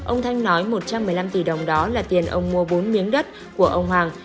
ông thanh nói một trăm một mươi năm tỷ đồng đó là tiền ông mua bốn miếng đất của ông hoàng